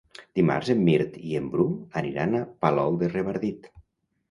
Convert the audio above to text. Dimarts en Mirt i en Bru aniran a Palol de Revardit.